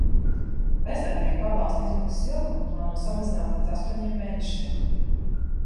Bezdarbnieka pabalsta izmaksas ilgumu plāno samazināt līdz astoņiem mēnešiem.